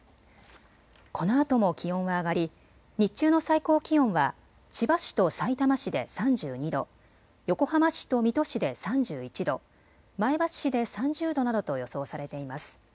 このあとも気温は上がり日中の最高気温は千葉市とさいたま市で３２度、横浜市と水戸市で３１度、前橋市で３０度などと予想されています。